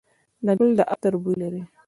ګل د عطر بوی لري.